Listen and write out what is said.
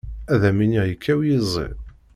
Ad am iniɣ yekkaw yiẓi.